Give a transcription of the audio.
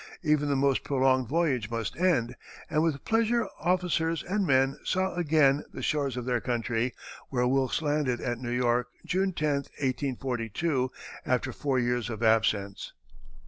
Even the most prolonged voyage must end, and with pleasure officers and men saw again the shores of their country, where Wilkes landed, at New York, June 10, 1842, after four years of absence.